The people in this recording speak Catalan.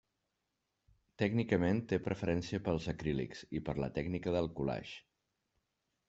Tècnicament té preferència pels acrílics i per la tècnica del collage.